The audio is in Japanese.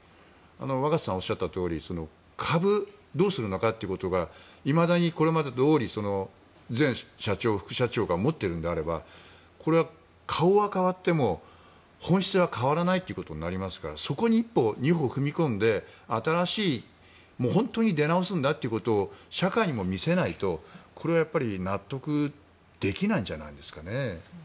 若狭さんがおっしゃったとおり株、どうするのかということがいまだにこれまでどおり前社長、副社長が持っているのであればこれは顔は代わっても本質は変わらないとなりますからそこに一歩、二歩踏み込んで新しい、本当に出直すんだということを社会にも見せないとこれは納得できないんじゃないですかね。